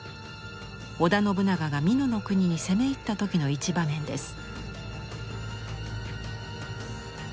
織田信長が美濃国に攻め入った時の一場面です。